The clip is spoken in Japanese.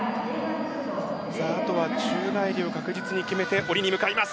宙返りを確実に決めて下りに向かいます。